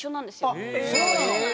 あっそうなの？